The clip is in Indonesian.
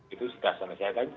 itu sudah selesai